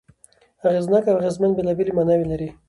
اغېزناک او اغېزمن بېلابېلې ماناوې لري.